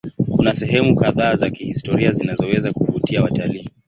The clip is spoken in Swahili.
Kuna sehemu kadhaa za kihistoria zinazoweza kuvutia watalii.